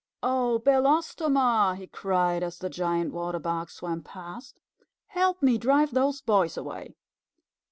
Oh, Belostoma," he cried, as the Giant Water Bug swam past. "Help me drive those boys away."